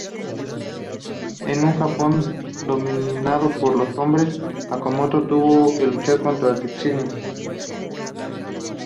En un Japón dominado por los hombres, Okamoto tuvo que luchar contra el sexismo.